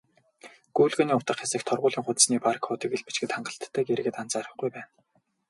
"Гүйлгээний утга" хэсэгт торгуулийн хуудасны бар кодыг л бичихэд хангалттайг иргэд анзаарахгүй байна.